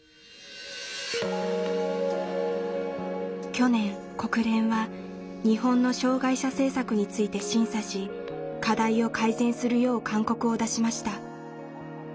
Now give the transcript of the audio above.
去年国連は日本の障害者政策について審査し課題を改善するよう勧告を出しました。